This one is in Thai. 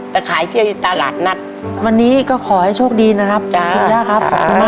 ไปขายที่ตลาดนั้นวันนี้ก็ขอให้โชคดีนะครับจ้า